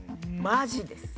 マジです。